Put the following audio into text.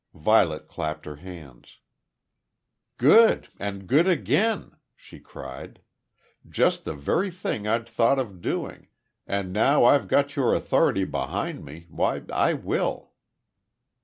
Violet clapped her hands. "Good and good again?" she cried. "Just the very thing I'd thought of doing, and now I've got your authority behind me, why, I will."